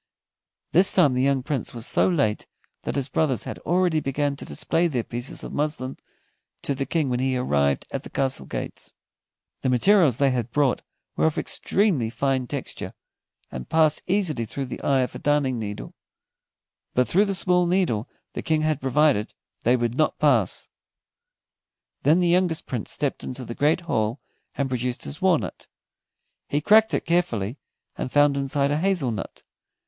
This time the young Prince was so late that his brothers had already begun to display their pieces of muslin to the King when he arrived at the castle gates. The materials they had brought were of extremely fine texture, and passed easily through the eye of a darning needle, but through the small needle the King had provided they would not pass. Then the youngest Prince stepped into the great hall and produced his walnut. He cracked it carefully, and found inside a hazel nut.